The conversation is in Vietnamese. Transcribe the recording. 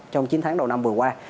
trong chín tháng đầu năm vừa qua